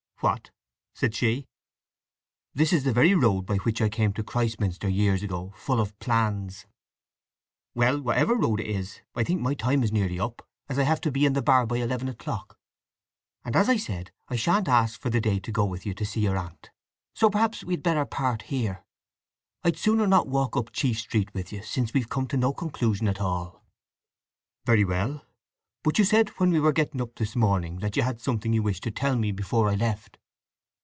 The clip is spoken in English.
"What?" said she. "This is the very road by which I came into Christminster years ago full of plans!" "Well, whatever the road is I think my time is nearly up, as I have to be in the bar by eleven o'clock. And as I said, I shan't ask for the day to go with you to see your aunt. So perhaps we had better part here. I'd sooner not walk up Chief Street with you, since we've come to no conclusion at all." "Very well. But you said when we were getting up this morning that you had something you wished to tell me before I left?"